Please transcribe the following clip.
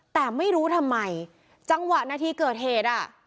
แต่ไม่รู้ทำไมจังหวะนาทีเกิดเหตุอ่ะ